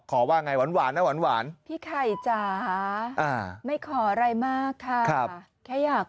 ว่าไงหวานนะหวานพี่ไข่จ๋าไม่ขออะไรมากค่ะแค่อยาก